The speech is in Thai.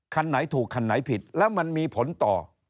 คันไหนถูกคันไหนผิดแล้วมันมีผลต่อ